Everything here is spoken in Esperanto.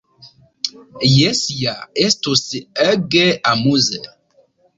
"Jes ja! Estus ege amuze!"